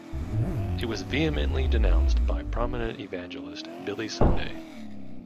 It was vehemently denounced by prominent evangelist Billy Sunday.